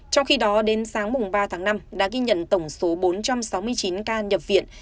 trong khi đó đến sáng ba tháng năm đã ghi nhận tổng số bốn trăm sáu mươi chín ca nhập viện